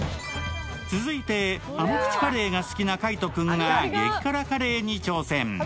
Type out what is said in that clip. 続いて、甘口カレーが好きな海音君が激辛カレーに挑戦。